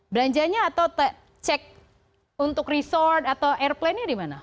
belanjanya atau cek untuk resort atau airplanenya di mana